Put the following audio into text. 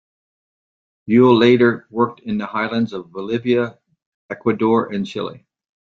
Uhle later worked in the highlands of Bolivia, Ecuador, and Chile.